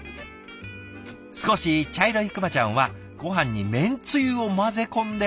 少し茶色いくまちゃんはごはんにめんつゆを混ぜ込んであるんですって。